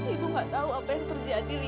ibu gak tahu apa yang terjadi